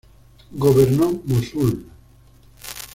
Gobernó Mosul.